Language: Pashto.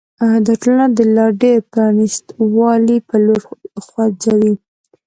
دا ټولنه د لا ډېر پرانیست والي په لور خوځوي.